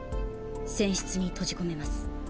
船室に閉じ込めます。